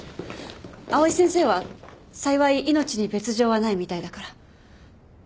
藍井先生は幸い命に別条はないみたいだから。